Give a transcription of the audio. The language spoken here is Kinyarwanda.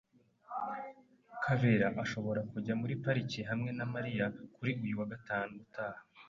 Kabera ashobora kujya muri pariki hamwe na Mariya kuri uyu wa gatandatu utaha.